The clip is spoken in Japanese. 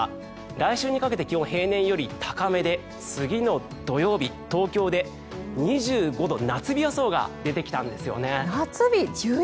来週にかけて気温平年より高めで次の土曜日東京で２５度夏日予想が出てきたんですよね。